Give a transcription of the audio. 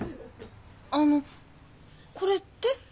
あの「これ」って？